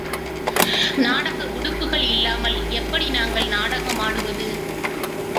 நாடக உடுப்புகள் இல்லாமல் எப்படி நாங்கள் நாடகமாடுவது?